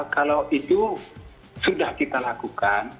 kalau itu sudah kita lakukan